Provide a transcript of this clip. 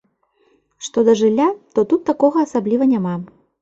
Што да жылля, то тут такога асабліва няма.